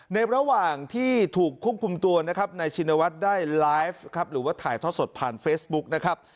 ในระหว่างที่ถูกควบคุมตัวนะครับนายชินวัฒน์ได้ไลฟ์ครับหรือว่าถ่ายทอดสดผ่านเฟซบุ๊กนะครับ